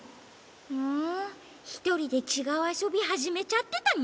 ふんひとりでちがうあそびはじめちゃってたの？